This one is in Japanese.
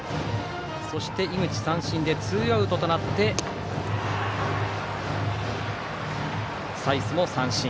そして井口三振でツーアウトとなって才須も三振。